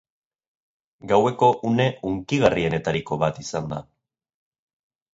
Gaueko une hunkigarrienetariko bat izan da.